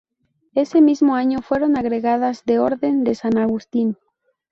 Ese mismo año fueron agregadas de Orden de San Agustín.